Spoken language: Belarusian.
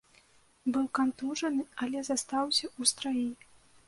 Быў кантужаны, але застаўся ў страі.